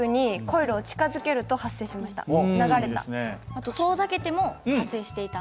あと遠ざけても発生していた。